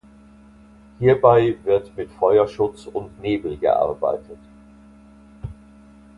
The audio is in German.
Hierbei wird mit Feuerschutz und Nebel gearbeitet.